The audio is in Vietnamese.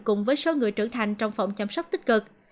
cùng với số người trưởng thành trong phòng chăm sóc tích cực